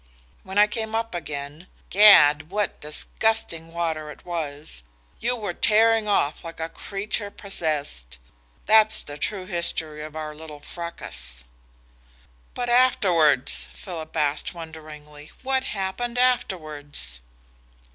When I came up again gad, what disgusting water it was! you were tearing off like a creature possessed. That's the true history of our little fracas." "But afterwards?" Philip asked wonderingly. "What happened afterwards?"